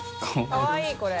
かわいいこれ。